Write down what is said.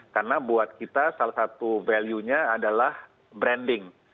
karena buat kita salah satu value nya adalah branding